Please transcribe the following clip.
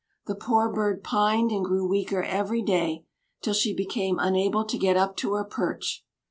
The poor bird pined and grew weaker every day, till she became unable to get up to her perch.